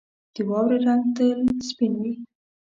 • د واورې رنګ تل سپین وي.